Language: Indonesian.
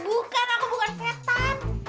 juragan diliatin makin ganteng